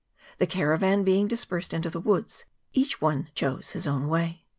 The caravan being dispersed into the woods, each one chose his own way.